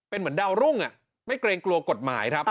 เป็นเหมือนดาวรุ่งไม่เกรงกลัวกฎหมายครับ